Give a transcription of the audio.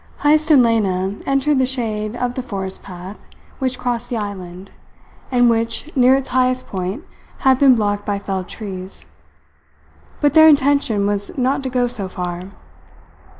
Heyst and Lena entered the shade of the forest path which crossed the island, and which, near its highest point had been blocked by felled trees. But their intention was not to go so far.